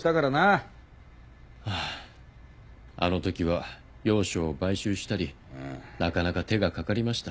ハァあのときは楊松を買収したりなかなか手がかかりました。